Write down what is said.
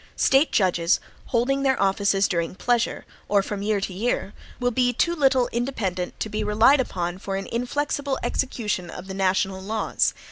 State judges, holding their offices during pleasure, or from year to year, will be too little independent to be relied upon for an inflexible execution of the national laws.